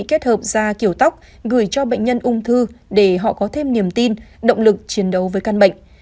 kết hợp da kiểu tóc gửi cho bệnh nhân ung thư để họ có thêm niềm tin động lực chiến đấu với căn bệnh